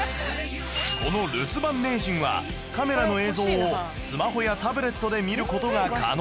この留守番名人はカメラの映像をスマホやタブレットで見る事が可能